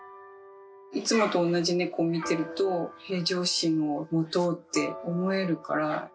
いつもと同じ猫を見てると平常心を持とうって思えるから。